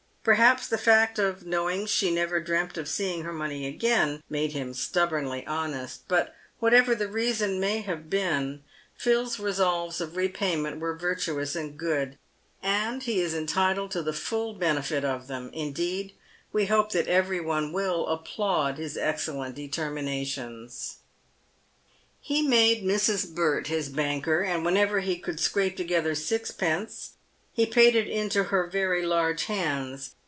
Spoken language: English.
Perhaps the fact of knowing she never dreamt of seeing her money again, made him stubbornly honest. But whatever the reason may have been, Phil's resolves of repayment were virtuous and good, and he is entitled to the full benefit of them ; indeed, we hope that every one will applaud his excellent determinations. PAVED WITH &OLD. 207 He made Mrs. Burt his banker, and whenever he could scrape to gether sixpence, he paid it into her very large hands.